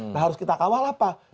nah harus kita kawal apa